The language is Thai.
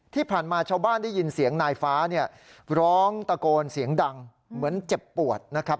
ที่ผ่านมาชาวบ้านได้ยินเสียงนายฟ้าเนี่ยร้องตะโกนเสียงดังเหมือนเจ็บปวดนะครับ